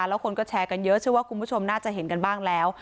แล้วคนก็แชร์กันเยอะเชื่อว่าคุณผู้ชมน่าจะเห็นกันบ้างแล้ว